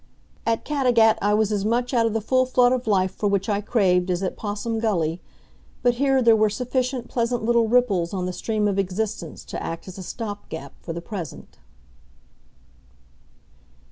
At Caddagat I was as much out of the full flood of life for which I craved as at Possum Gully, but here there were sufficient pleasant little ripples on the stream of existence to act as a stop gap for the present.